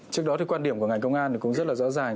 trước đó thì quan điểm của ngành công an cũng rất là rõ ràng